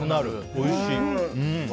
おいしい。